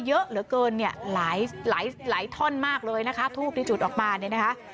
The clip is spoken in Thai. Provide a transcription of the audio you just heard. ยากัวเนี่ยหลายหลายท่อนมากเลยนะครับอยู่ถูกออกมานี่